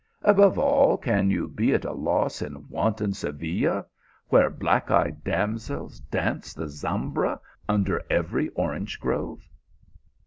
" Above all, can you be at a loss in wanton Seville, where black eyed damsels dance the zambra under every orange grove